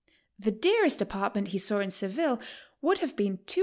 The dearest apartment he saw in Seville would have been $225.